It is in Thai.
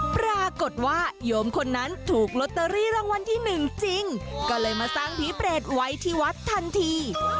ปรากฏว่าโยมคนนั้นถูกลอตเตอรี่รางวัลที่หนึ่งจริงก็เลยมาสร้างผีเปรตไว้ที่วัดทันที